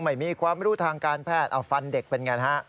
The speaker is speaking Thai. ไม่มีความรู้ทางการแพทย์เอาฟันเด็กเป็นไงฮะ